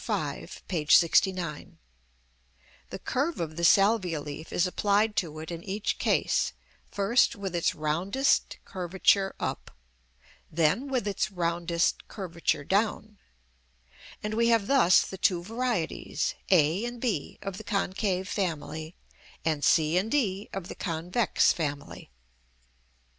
V., p. 69); the curve of the salvia leaf is applied to it in each case, first with its roundest curvature up, then with its roundest curvature down; and we have thus the two varieties, a and b, of the concave family, and c and d, of the convex family.